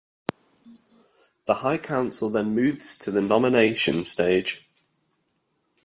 The High Council then moves to the nomination stage.